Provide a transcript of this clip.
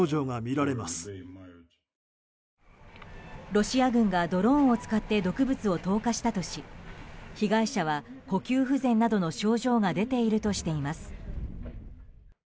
ロシア軍がドローンを使って毒物を投下したとし被害者は呼吸不全などの症状が出ているとしています。